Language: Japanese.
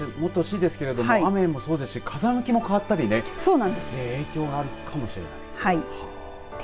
何とかもってほしいですけども雨もそうですし風向きが変わったり影響があるかもしれない。